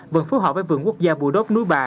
vẫn phù hợp với vườn quốc gia bù đốt núi bà